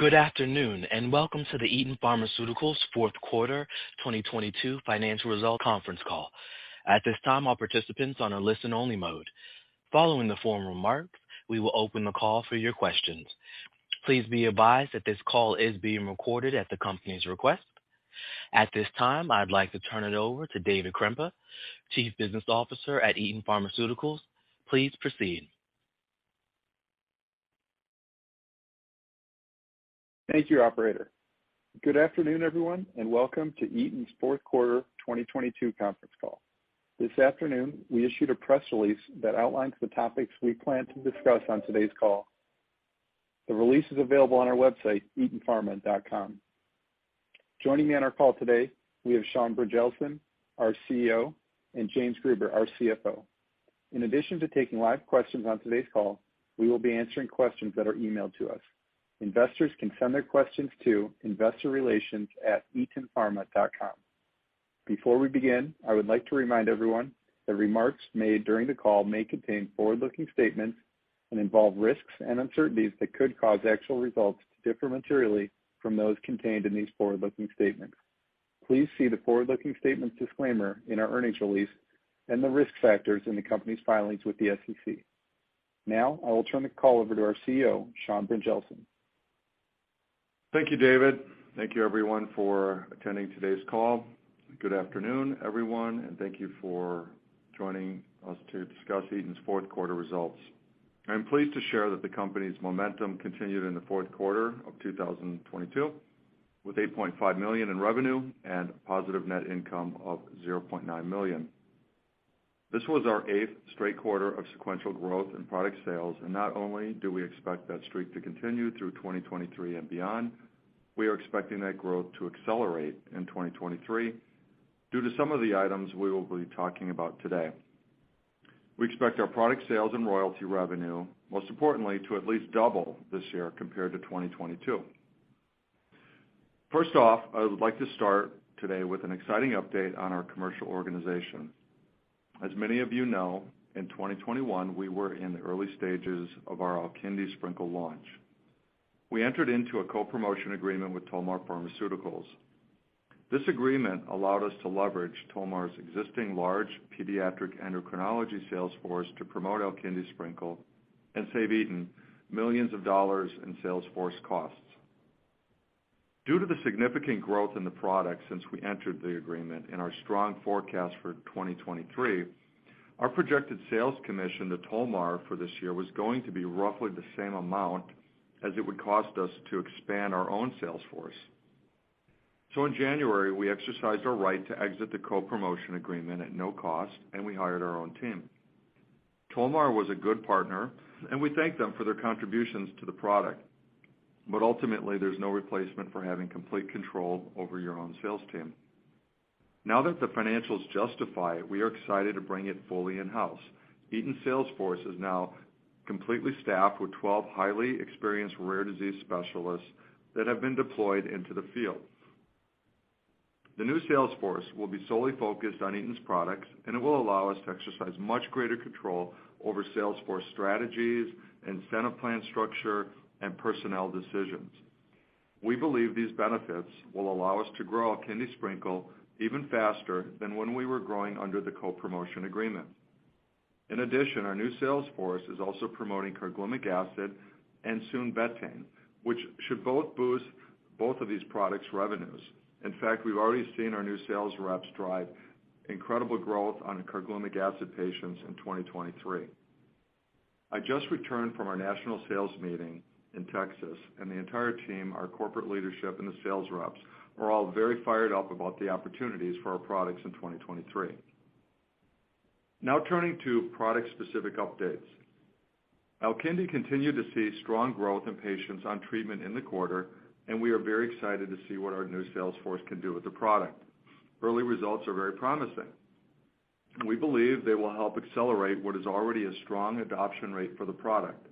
Good afternoon, and welcome to the Eton Pharmaceuticals Fourth Quarter 2022 Financial Results Conference Call. At this time, all participants on are listen only mode. Following the formal remarks, we will open the call for your questions. Please be advised that this call is being recorded at the company's request. At this time, I'd like to turn it over to David Krempa, Chief Business Officer at Eton Pharmaceuticals. Please proceed. Thank you, operator. Good afternoon, everyone, and welcome to Eton's Fourth Quarter 2022 Conference Call. This afternoon, we issued a press release that outlines the topics we plan to discuss on today's call. The release is available on our website, etonpharma.com. Joining me on our call today we have Sean Brynjelsen, our CEO, and James Gruber, our CFO. In addition to taking live questions on today's call, we will be answering questions that are emailed to us. Investors can send their questions to investorrelations@etonpharma.com. Before we begin, I would like to remind everyone that remarks made during the call may contain forward-looking statements and involve risks and uncertainties that could cause actual results to differ materially from those contained in these forward-looking statements. Please see the forward-looking statements disclaimer in our earnings release and the risk factors in the company's filings with the SEC. Now, I will turn the call over to our CEO, Sean Brynjelsen. Thank you, David. Thank you, everyone, for attending today's call. Good afternoon, everyone, thank you for joining us to discuss Eton's Fourth Quarter Results. I'm pleased to share that the company's momentum continued in the fourth quarter of 2022 with $8.5 million in revenue and positive net income of $0.9 million. This was our eighth straight quarter of sequential growth in product sales, not only do we expect that streak to continue through 2023 and beyond, we are expecting that growth to accelerate in 2023 due to some of the items we will be talking about today. We expect our product sales and royalty revenue, most importantly, to at least double this year compared to 2022. First off, I would like to start today with an exciting update on our commercial organization. As many of you know, in 2021, we were in the early stages of our ALKINDI SPRINKLE launch. We entered into a co-promotion agreement with Tolmar Pharmaceuticals. This agreement allowed us to leverage Tolmar's existing large pediatric endocrinology sales force to promote ALKINDI SPRINKLE and save Eton millions of dollars in sales force costs. Due to the significant growth in the product since we entered the agreement and our strong forecast for 2023, our projected sales commission to Tolmar for this year was going to be roughly the same amount as it would cost us to expand our own sales force. In January, we exercised our right to exit the co-promotion agreement at no cost, and we hired our own team. Tolmar was a good partner, and we thank them for their contributions to the product. Ultimately, there's no replacement for having complete control over your own sales team. Now that the financials justify it, we are excited to bring it fully in-house. Eton sales force is now completely staffed with 12 highly experienced rare disease specialists that have been deployed into the field. The new sales force will be solely focused on Eton's products, and it will allow us to exercise much greater control over sales force strategies, incentive plan structure, and personnel decisions. We believe these benefits will allow us to grow ALKINDI SPRINKLE even faster than when we were growing under the co-promotion agreement. In addition, our new sales force is also promoting carglumic acid and soon betaine, which should both boost both of these products' revenues. In fact, we've already seen our new sales reps drive incredible growth on carglumic acid patients in 2023. I just returned from our national sales meeting in Texas and the entire team, our corporate leadership, and the sales reps are all very fired up about the opportunities for our products in 2023. Turning to product-specific updates. ALKINDI continued to see strong growth in patients on treatment in the quarter, and we are very excited to see what our new sales force can do with the product. Early results are very promising. We believe they will help accelerate what is already a strong adoption rate for the product.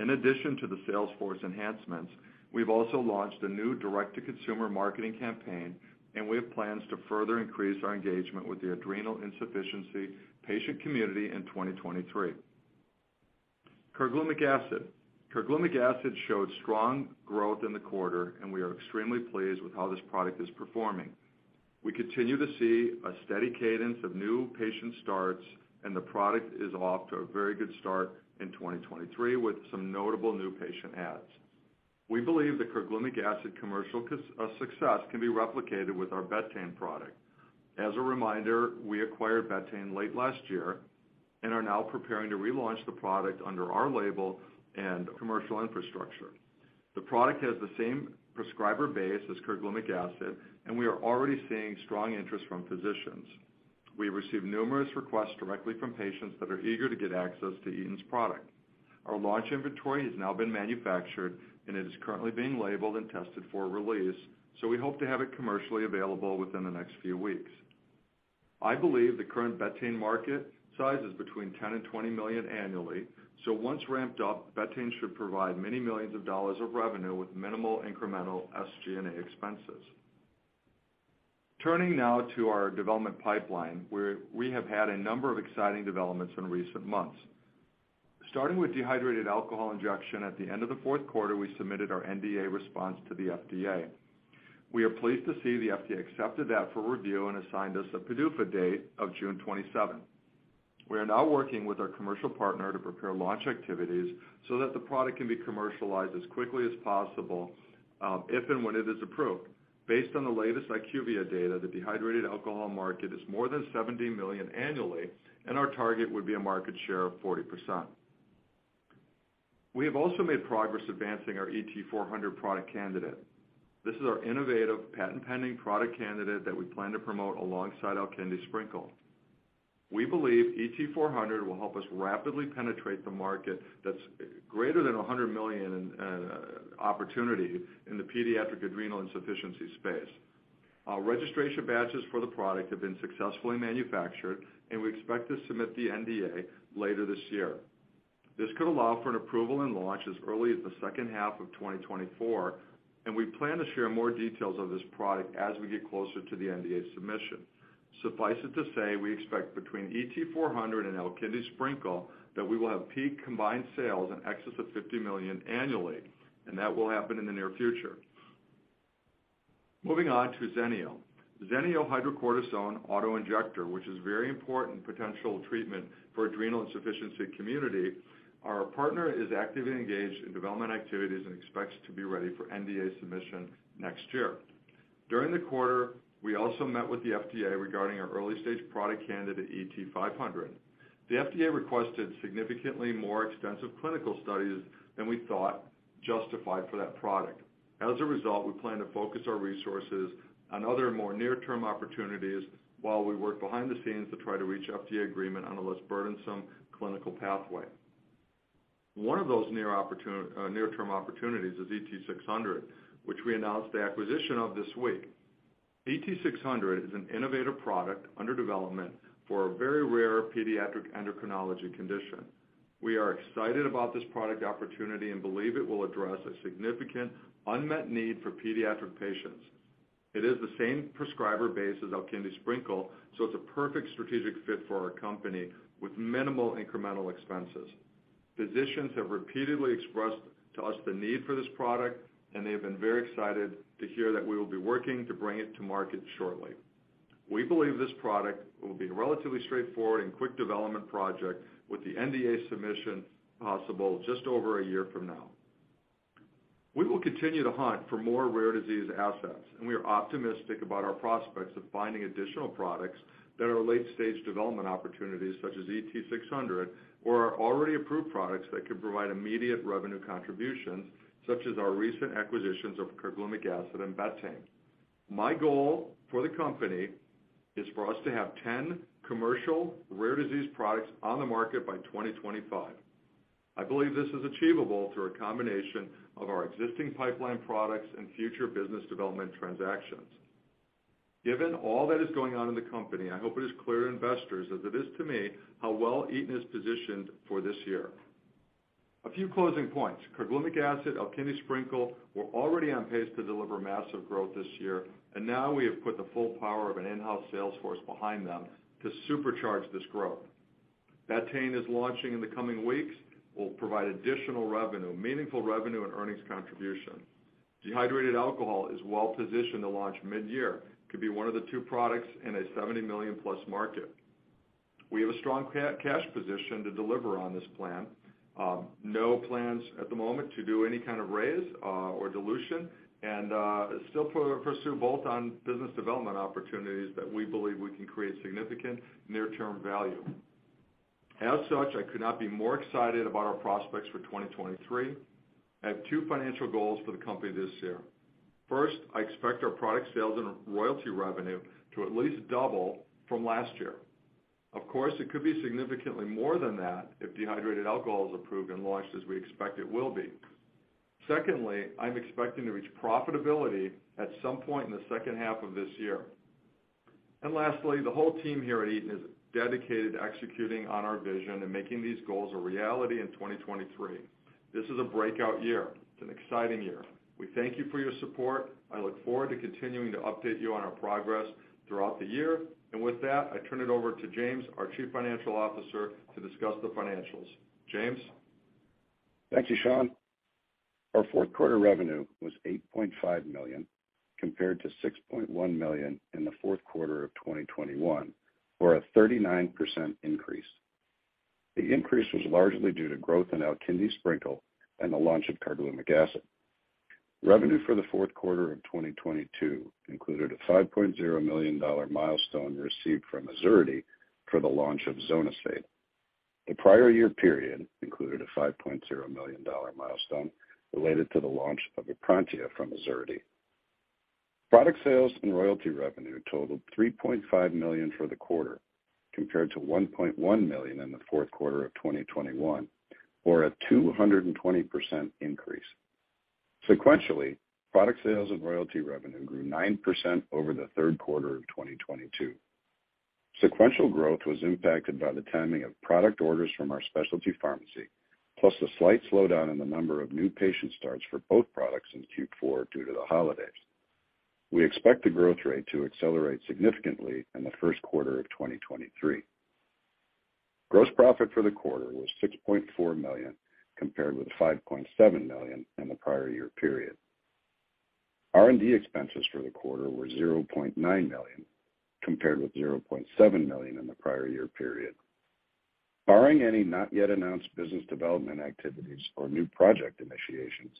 In addition to the sales force enhancements, we've also launched a new direct-to-consumer marketing campaign, and we have plans to further increase our engagement with the adrenal insufficiency patient community in 2023. carglumic acid. Carglumic acid showed strong growth in the quarter, and we are extremely pleased with how this product is performing. We continue to see a steady cadence of new patient starts and the product is off to a very good start in 2023 with some notable new patient adds. We believe the carglumic acid commercial success can be replicated with our betaine product. As a reminder, we acquired betaine late last year and are now preparing to relaunch the product under our label and commercial infrastructure. The product has the same prescriber base as carglumic acid, and we are already seeing strong interest from physicians. We received numerous requests directly from patients that are eager to get access to Eton's product. Our launch inventory has now been manufactured, and it is currently being labeled and tested for release, so we hope to have it commercially available within the next few weeks. I believe the current betaine market size is between $10 million and $20 million annually. Once ramped up, betaine should provide many millions of dollars of revenue with minimal incremental SG&A expenses. Turning now to our development pipeline, where we have had a number of exciting developments in recent months. Starting with dehydrated alcohol injection, at the end of the fourth quarter, we submitted our NDA response to the FDA. We are pleased to see the FDA accepted that for review and assigned us a PDUFA date of June 27th. We are now working with our commercial partner to prepare launch activities so that the product can be commercialized as quickly as possible, if and when it is approved. Based on the latest IQVIA data, the dehydrated alcohol market is more than $70 million annually, and our target would be a market share of 40%. We have also made progress advancing our ET-400 product candidate. This is our innovative patent-pending product candidate that we plan to promote alongside ALKINDI SPRINKLE. We believe ET-400 will help us rapidly penetrate the market that's greater than $100 million in opportunity in the pediatric adrenal insufficiency space. Our registration batches for the product have been successfully manufactured, and we expect to submit the NDA later this year. This could allow for an approval and launch as early as the second half of 2024, and we plan to share more details of this product as we get closer to the NDA submission. Suffice it to say, we expect between ET-400 and ALKINDI SPRINKLE that we will have peak combined sales in excess of $50 million annually, and that will happen in the near future. Moving on to ZENEO. ZENEO hydrocortisone autoinjector, which is very important potential treatment for adrenal insufficiency community. Our partner is actively engaged in development activities and expects to be ready for NDA submission next year. During the quarter, we also met with the FDA regarding our early-stage product candidate, ET-500. The FDA requested significantly more extensive clinical studies than we thought justified for that product. As a result, we plan to focus our resources on other more near-term opportunities while we work behind the scenes to try to reach FDA agreement on a less burdensome clinical pathway. One of those near-term opportunities is ET-600, which we announced the acquisition of this week. ET-600 is an innovative product under development for a very rare pediatric endocrinology condition. We are excited about this product opportunity and believe it will address a significant unmet need for pediatric patients. It is the same prescriber base as ALKINDI SPRINKLE. It's a perfect strategic fit for our company with minimal incremental expenses. Physicians have repeatedly expressed to us the need for this product, and they have been very excited to hear that we will be working to bring it to market shortly. We believe this product will be a relatively straightforward and quick development project with the NDA submission possible just over a year from now. We will continue to hunt for more rare disease assets. We are optimistic about our prospects of finding additional products that are late-stage development opportunities such as ET-600, or are already approved products that can provide immediate revenue contributions, such as our recent acquisitions of carglumic acid and betaine. My goal for the company is for us to have 10 commercial rare disease products on the market by 2025. I believe this is achievable through a combination of our existing pipeline products and future business development transactions. Given all that is going on in the company, I hope it is clear to investors as it is to me how well Eton is positioned for this year. A few closing points. Carglumic acid, ALKINDI SPRINKLE, we're already on pace to deliver massive growth this year. Now we have put the full power of an in-house sales force behind them to supercharge this growth. Betaine is launching in the coming weeks, will provide additional revenue, meaningful revenue and earnings contribution. Dehydrated alcohol is well-positioned to launch mid-year, could be one of the two products in a $70 million-plus market. We have a strong cash position to deliver on this plan. No plans at the moment to do any kind of raise or dilution, and still pursue both on business development opportunities that we believe we can create significant near-term value. As such, I could not be more excited about our prospects for 2023. I have two financial goals for the company this year. First, I expect our product sales and royalty revenue to at least double from last year. Of course, it could be significantly more than that if dehydrated alcohol is approved and launched as we expect it will be. Secondly, I'm expecting to reach profitability at some point in the second half of this year. Lastly, the whole team here at Eton is dedicated to executing on our vision and making these goals a reality in 2023. This is a breakout year. It's an exciting year. We thank you for your support. I look forward to continuing to update you on our progress throughout the year. With that, I turn it over to James, our Chief Financial Officer, to discuss the financials. James? Thank you, Sean. Our fourth quarter revenue was $8.5 million, compared to $6.1 million in the fourth quarter of 2021, or a 39% increase. The increase was largely due to growth in ALKINDI SPRINKLE and the launch of carglumic acid. Revenue for the fourth quarter of 2022 included a $5.0 million milestone received from Azurity for the launch of ZONISADE. The prior year period included a $5.0 million milestone related to the launch of EPRONTIA from Azurity. Product sales and royalty revenue totaled $3.5 million for the quarter, compared to $1.1 million in the fourth quarter of 2021, or a 220% increase. Sequentially, product sales and royalty revenue grew 9% over the third quarter of 2022. Sequential growth was impacted by the timing of product orders from our specialty pharmacy, plus a slight slowdown in the number of new patient starts for both products in Q4 due to the holidays. We expect the growth rate to accelerate significantly in the first quarter of 2023. Gross profit for the quarter was $6.4 million, compared with $5.7 million in the prior year period. R&D expenses for the quarter were $0.9 million, compared with $0.7 million in the prior year period. Barring any not yet announced business development activities or new project initiations,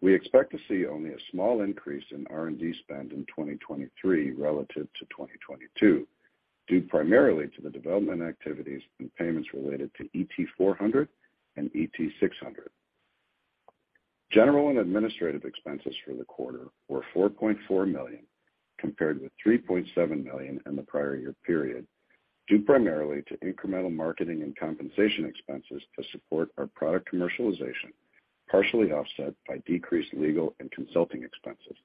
we expect to see only a small increase in R&D spend in 2023 relative to 2022, due primarily to the development activities and payments related to ET-400 and ET-600. General and administrative expenses for the quarter were $4.4 million, compared with $3.7 million in the prior year period, due primarily to incremental marketing and compensation expenses to support our product commercialization, partially offset by decreased legal and consulting expenses.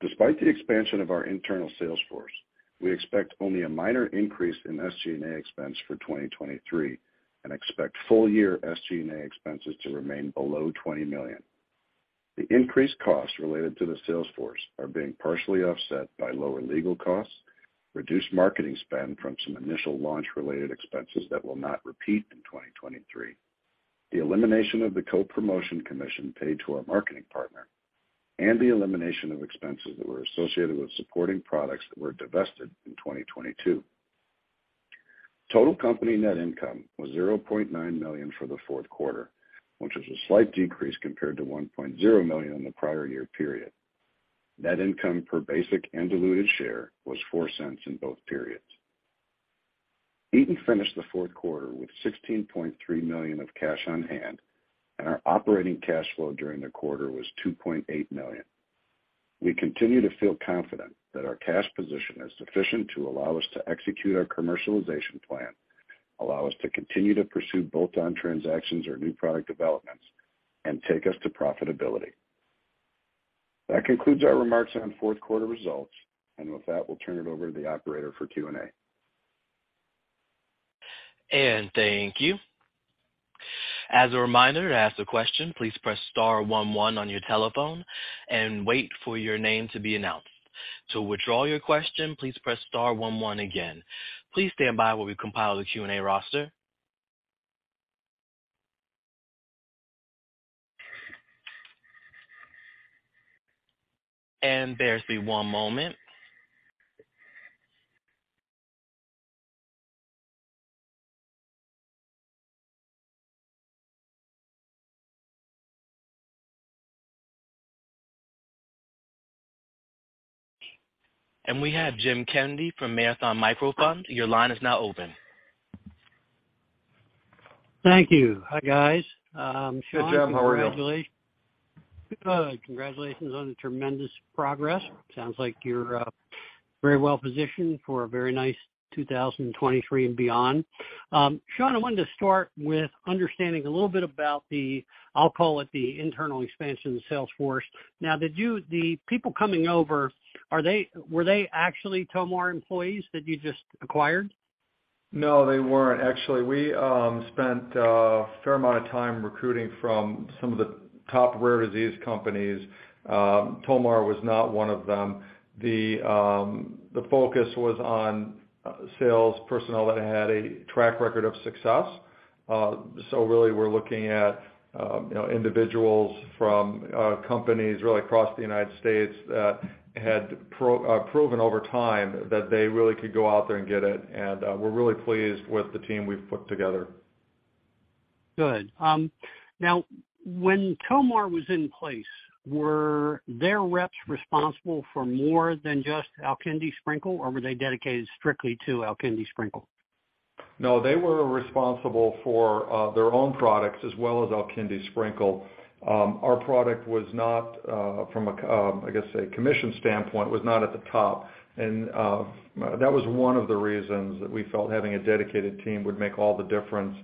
Despite the expansion of our internal sales force, we expect only a minor increase in SG&A expense for 2023 and expect full year SG&A expenses to remain below $20 million. The increased costs related to the sales force are being partially offset by lower legal costs, reduced marketing spend from some initial launch related expenses that will not repeat in 2023. The elimination of the co-promotion commission paid to our marketing partner. The elimination of expenses that were associated with supporting products that were divested in 2022. Total company net income was $0.9 million for the fourth quarter, which is a slight decrease compared to $1.0 million in the prior year period. Net income per basic and diluted share was $0.04 in both periods. Eton finished the fourth quarter with $16.3 million of cash on hand, and our operating cash flow during the quarter was $2.8 million. We continue to feel confident that our cash position is sufficient to allow us to execute our commercialization plan, allow us to continue to pursue bolt-on transactions or new product developments, and take us to profitability. That concludes our remarks on fourth quarter results. With that, we'll turn it over to the operator for Q&A. Thank you. As a reminder, to ask a question, please press star one one on your telephone and wait for your name to be announced. To withdraw your question, please press star one one again. Please stand by while we compile the Q&A roster. Bear with me one moment. We have Jim Kennedy from Marathon Micro Fund. Your line is now open. Thank you. Hi, guys. Sean- Hi, Jim. How are you? Congratulations. Congratulations on the tremendous progress. Sounds like you're, very well-positioned for a very nice 2023 and beyond. Sean, I wanted to start with understanding a little bit about the, I'll call it the internal expansion sales force. Now, the people coming over, were they actually Tolmar employees that you just acquired? No, they weren't. Actually, we spent a fair amount of time recruiting from some of the top rare disease companies. Tolmar was not one of them. The focus was on sales personnel that had a track record of success. Really, we're looking at, you know, individuals from companies really across the United States that had proven over time that they really could go out there and get it. We're really pleased with the team we've put together. Good. Now when Tolmar was in place, were their reps responsible for more than just ALKINDI SPRINKLE, or were they dedicated strictly to ALKINDI SPRINKLE? No, they were responsible for their own products as well as ALKINDI SPRINKLE. Our product was not from a, I guess a commission standpoint, was not at the top. That was one of the reasons that we felt having a dedicated team would make all the difference.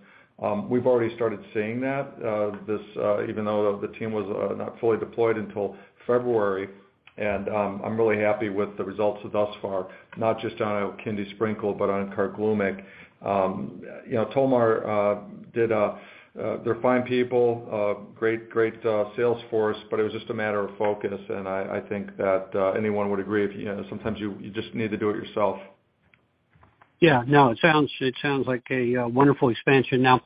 We've already started seeing that, this, even though the team was not fully deployed until February. I'm really happy with the results thus far, not just on ALKINDI SPRINKLE, but on Carglumic. you know, Tolmar. They're fine people, great sales force, but it was just a matter of focus. I think that anyone would agree if, you know, sometimes you just need to do it yourself. Yeah. No, it sounds like a wonderful expansion. Now,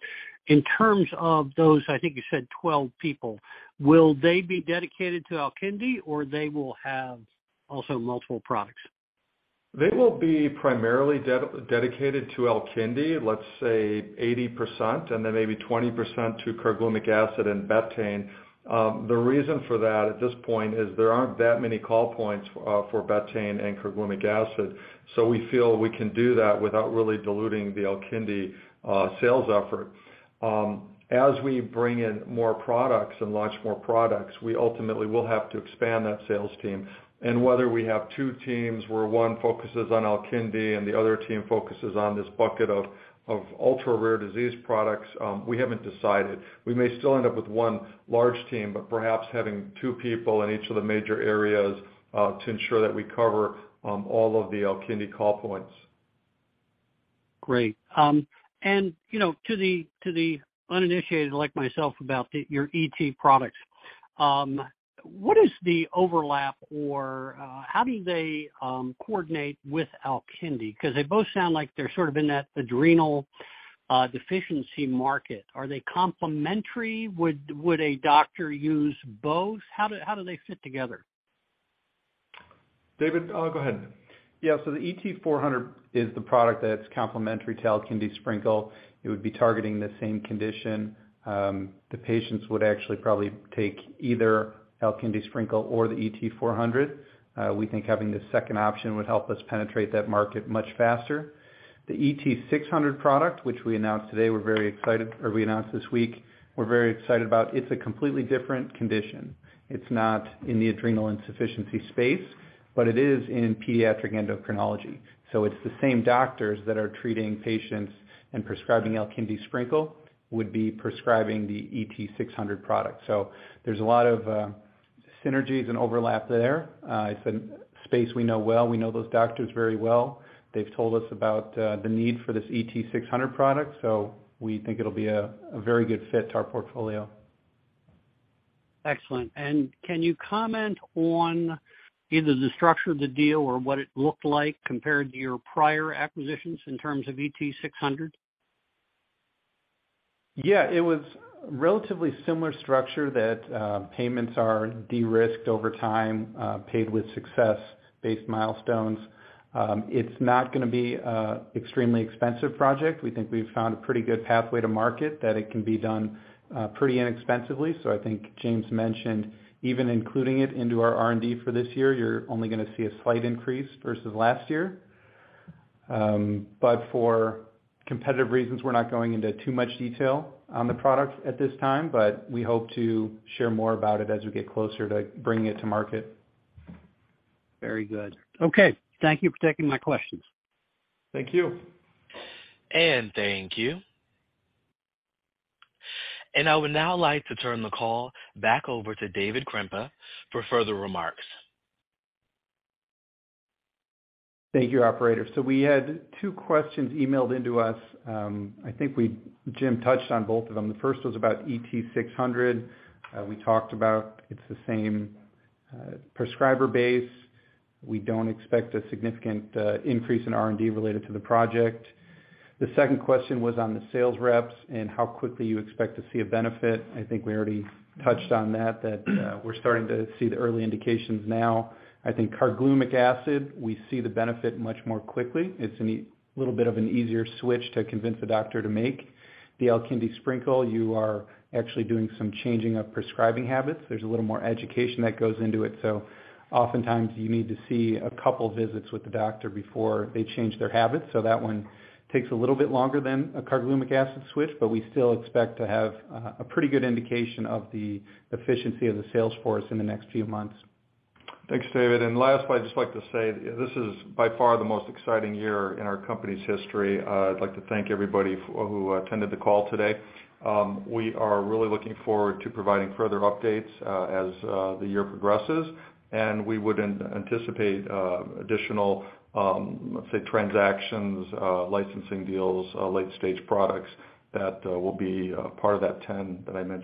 in terms of those, I think you said 12 people, will they be dedicated to ALKINDI or they will have also multiple products? They will be primarily dedicated to ALKINDI, let's say 80%, and then maybe 20% to carglumic acid and betaine. The reason for that at this point is there aren't that many call points for betaine and carglumic acid. We feel we can do that without really diluting the ALKINDI sales effort. As we bring in more products and launch more products, we ultimately will have to expand that sales team. Whether we have two teams where one focuses on ALKINDI and the other team focuses on this bucket of ultra-rare disease products, we haven't decided. We may still end up with one large team, but perhaps having two people in each of the major areas to ensure that we cover all of the ALKINDI call points. Great. You know, to the, to the uninitiated like myself about your ET products, what is the overlap or, how do they, coordinate with Alkindi? 'Cause they both sound like they're sort of in that adrenal deficiency market. Are they complementary? Would a doctor use both? How do they fit together? David, go ahead. Yeah. The ET-400 is the product that's complementary to ALKINDI SPRINKLE. It would be targeting the same condition. The patients would actually probably take either ALKINDI SPRINKLE or the ET-400. We think having the second option would help us penetrate that market much faster. The ET-600 product, which we announced today, we're very excited or we announced this week, we're very excited about. It's a completely different condition. It's not in the adrenal insufficiency space, but it is in pediatric endocrinology. It's the same doctors that are treating patients and prescribing ALKINDI SPRINKLE would be prescribing the ET-600 product. There's a lot of synergies and overlap there. It's a space we know well. We know those doctors very well. They've told us about the need for this ET-600 product. We think it'll be a very good fit to our portfolio. Excellent. Can you comment on either the structure of the deal or what it looked like compared to your prior acquisitions in terms of ET-600? Yeah. It was relatively similar structure that payments are de-risked over time, paid with success-based milestones. It's not gonna be a extremely expensive project. We think we've found a pretty good pathway to market, that it can be done pretty inexpensively. I think James mentioned even including it into our R&D for this year, you're only gonna see a slight increase versus last year. For competitive reasons, we're not going into too much detail on the product at this time, but we hope to share more about it as we get closer to bringing it to market. Very good. Okay. Thank you for taking my questions. Thank you. Thank you. I would now like to turn the call back over to David Krempa for further remarks. Thank you, operator. We had two questions emailed into us. I think Jim touched on both of them. The first was about ET-600. We talked about it's the same prescriber base. We don't expect a significant increase in R&D related to the project. The second question was on the sales reps and how quickly you expect to see a benefit. I think we already touched on that we're starting to see the early indications now. I think carglumic acid, we see the benefit much more quickly. It's a little bit of an easier switch to convince a doctor to make. The ALKINDI SPRINKLE, you are actually doing some changing of prescribing habits. There's a little more education that goes into it, oftentimes you need to see a couple visits with the doctor before they change their habits. That one takes a little bit longer than a carglumic acid switch, but we still expect to have a pretty good indication of the efficiency of the sales force in the next few months. Last, I'd just like to say this is by far the most exciting year in our company's history. I'd like to thank everybody who attended the call today. We are really looking forward to providing further updates as the year progresses. We would anticipate additional, let's say transactions, licensing deals, late-stage products that will be part of that 10 that I mentioned.